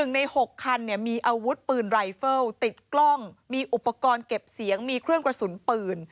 ใน๖คันมีอาวุธปืนรายเฟิลติดกล้องมีอุปกรณ์เก็บเสียงมีเครื่องกระสุนปืน